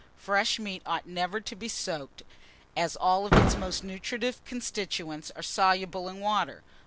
Fresh meat ought never to be soaked, as all its most nutritive constituents are soluble in water.